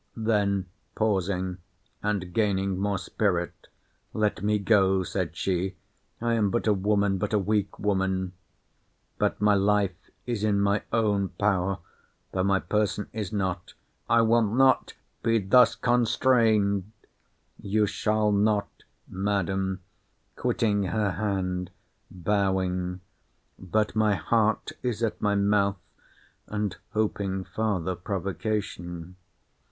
Then pausing, and gaining more spirit, Let me go, said she: I am but a woman—but a weak woman. But my life is in my own power, though my person is not—I will not be thus constrained. You shall not, Madam, quitting her hand, bowing; but my heart is at my mouth, and hoping farther provocation.